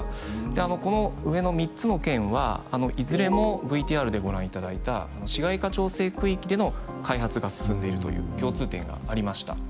であのこの上の３つの県はいずれもＶＴＲでご覧いただいた市街化調整区域での開発が進んでいるという共通点がありました。